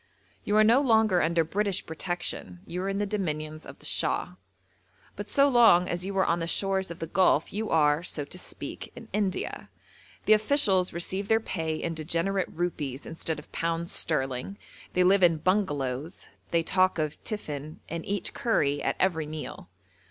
You are no longer under British protection, you are in the dominions of the Shah. But so long as you are on the shores of the Gulf you are, so to speak, in India. The officials receive their pay in degenerate rupees instead of pounds sterling, they live in 'bungalows,' they talk of 'tiffin,' and eat curry at every meal.